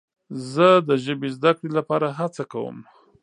زه د ژبې زده کړې لپاره هڅه کوم.